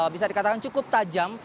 bisa dikatakan cukup tajam